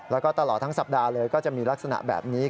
แล้วก็ตลอดทั้งสัปดาห์เลยก็จะมีลักษณะแบบนี้